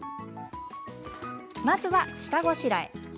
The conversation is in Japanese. まずは、下ごしらえ。